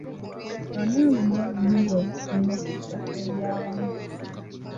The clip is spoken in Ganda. Ani alina obuyinza obusinga ku ttaka ery'awamu?